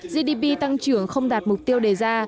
gdp tăng trưởng không đạt mục tiêu đề ra